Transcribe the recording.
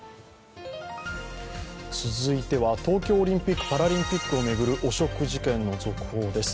続いては東京オリンピック・パラリンピックを巡る汚職事件の続報です。